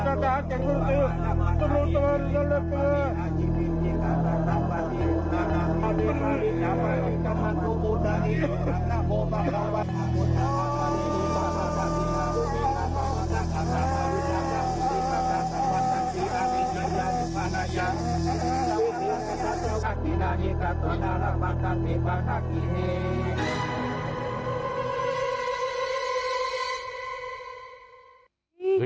กลับไปที่ภาษาหลังศาตาของสมองเทพศาล